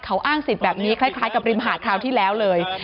เขาอ้างสิทธิ์แบบนี้คล้ายกับริมหาดคราวที่แล้วเลย